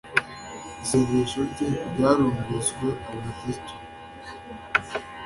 isengesho rye ryarumviswe. Abona Kristo